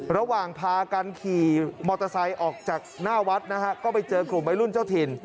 ระหว่างพากันขี่มอเตอร์ไซค์ออกจากหน้าวัดนะฮะก็ไปเจอกลุ่มวัยรุ่นเจ้าถิ่น